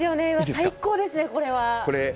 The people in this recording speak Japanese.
最高です、これは。